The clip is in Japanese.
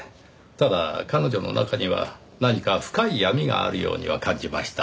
ただ彼女の中には何か深い闇があるようには感じました。